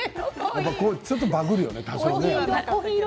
ちょっとバグるよね多少ね。